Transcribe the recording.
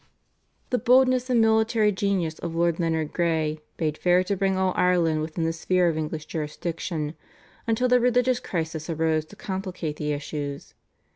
The boldness and military genius of Lord Leonard Grey bade fair to bring all Ireland within the sphere of English jurisdiction, until the religious crisis arose to complicate the issues.